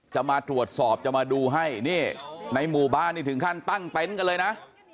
จะมาตรวจสอบจะมาดูให้นี่ในหมู่บ้านนี่ถึงขั้นตั้งเต็นต์กันเลยนะ